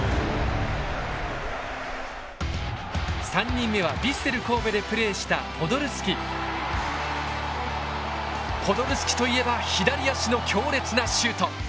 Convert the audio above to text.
３人目はヴィッセル神戸でプレーしたポドルスキといえば左足の強烈なシュート。